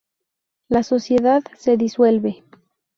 La sociedad se disuelve.